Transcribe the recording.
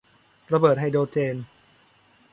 ระเบิดไฮโดรเจน